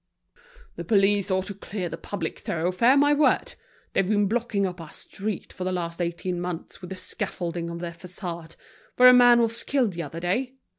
"The police ought to clear the public thoroughfare, my word! They've been blocking up our street for the last eighteen months with the scaffolding of their façade, where a man was killed the other day.